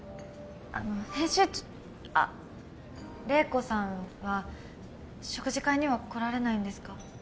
あの編集長あっ麗子さんは食事会には来られないんですか？